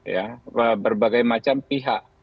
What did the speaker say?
ya berbagai macam pihak